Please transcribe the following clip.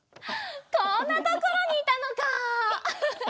こんなところにいたのかウフフ。